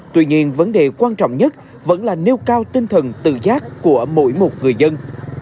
tuy nhiên vấn đề quan trọng nhất vẫn là nêu cao tinh thần tự giác của mỗi một người dân